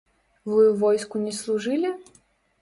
Вы ў войску не служылі?